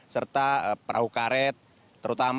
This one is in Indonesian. serta perahu karet terutama